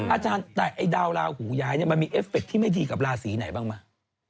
อาจารย์แต่ไอ้ดาวลาหูย้ายเนี่ยมันมีเอฟเฟคที่ไม่ดีกับราศีไหนบ้างไหม